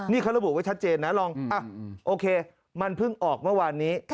นี่เขาระบุไว้ชัดเจนนะลองโอเคมันเพิ่งออกเมื่อวานนี้